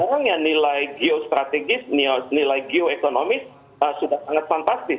dan nilai geostrategis nilai geoekonomis sudah sangat fantastis